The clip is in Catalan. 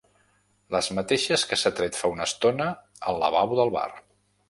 Les mateixes que s'ha tret fa una estona al lavabo del bar.